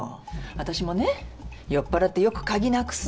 私もね酔っ払ってよく鍵なくすのよ。